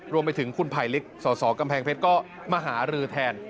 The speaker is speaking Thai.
รวมไปถึงคุณภัยลิกสสกำแพงเพชรก็มาหารือแทน